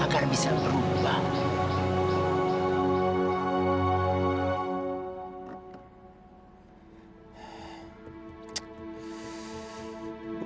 agar bisa berubah